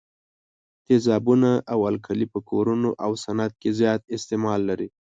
تیزابونه او القلي په کورونو او صنعت کې زیات استعمال لري.